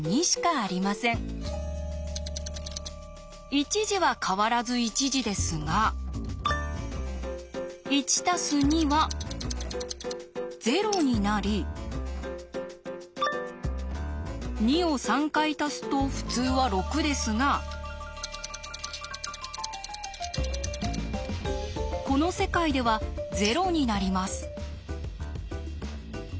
１時は変わらず１時ですが１＋２＝０になり２を３回足すと普通は６ですがこの世界では０になります。